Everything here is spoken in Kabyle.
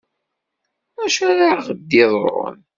D acu ara ɣ-d-iḍrun?